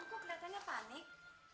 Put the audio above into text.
kok keliatannya panik